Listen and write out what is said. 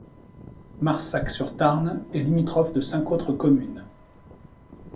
Marssac-sur-Tarn est limitrophe de cinq autres communes.